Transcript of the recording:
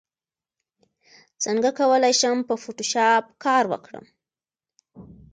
څنګه کولی شم په فوټوشاپ کار وکړم